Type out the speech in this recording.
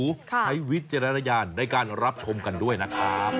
ใช้วิจารณญาณในการรับชมกันด้วยนะครับ